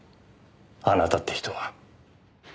あなたって人は。